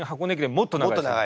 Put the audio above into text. もっと長いです。